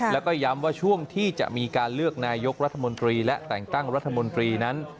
แล้วก็ย้ำว่าช่วงที่จะมีการเลือกนายกรัฐมนตรีและแต่งตั้งรัฐมนตรีนั้น